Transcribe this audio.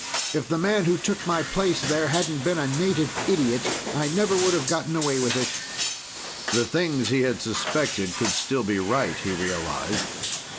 If the man who took my place there hadn't been a native idiot, I never would have gotten away with it." The things he had suspected could still be right, he realized.